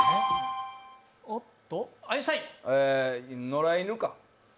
野良犬か？